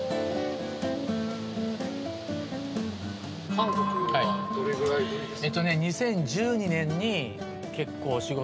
韓国はどれぐらいぶりですか？